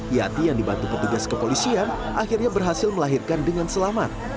yati yang dibantu petugas kepolisian akhirnya berhasil melahirkan dengan selamat